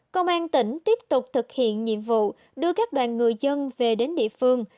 công an tỉnh tiếp tục thực hiện nhiệm vụ đưa các đoàn người dân về đến địa phương